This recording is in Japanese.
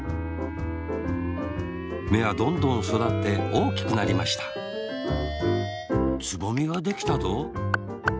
めはどんどんそだっておおきくなりましたつぼみができたぞ。